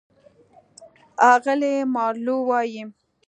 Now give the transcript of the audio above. اغلې مارلو وايي: